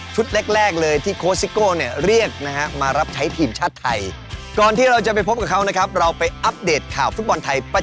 ชุดแรกเลยที่โค้ชซิกโกเนี่ยเรียกนะฮะ